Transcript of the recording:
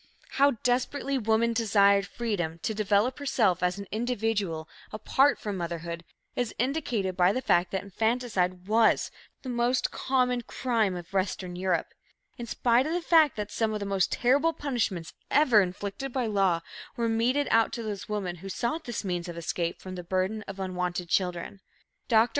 How desperately woman desired freedom to develop herself as an individual, apart from motherhood, is indicated by the fact that infanticide was "the most common crime of Western Europe," in spite of the fact that some of the most terrible punishments ever inflicted by law were meted out to those women who sought this means of escape from the burden of unwanted children. Dr.